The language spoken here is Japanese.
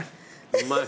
うまい。